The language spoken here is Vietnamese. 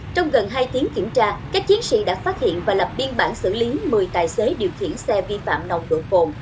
trong gần hai tiếng kiểm tra các chiến sĩ đã phát hiện và lập biên bản xử lý một mươi tài xế điều khiển xe vi phạm nồng độ cồn